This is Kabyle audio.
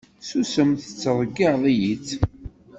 Susem tettreyyiεeḍ-iyi-tt!